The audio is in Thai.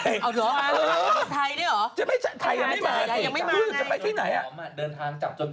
เอาจริงหรือครับไทยนี่หรือไม่ใช่ไทยยังไม่มา